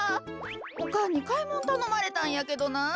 おかんにかいもんたのまれたんやけどな。